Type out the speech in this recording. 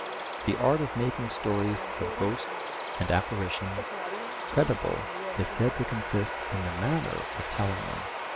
The art of making stories of ghosts and apparitions credible is said to consist in the manner of telling them.